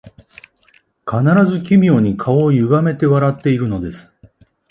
必ず奇妙に顔をゆがめて笑っているのです